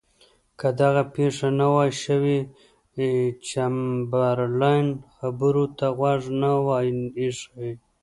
که دغه پېښه نه وای شوې چمبرلاین خبرو ته غوږ نه وای ایښی.